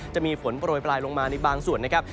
จะมีฝนโปรยปลายลงมาในบางส่วนนะครับ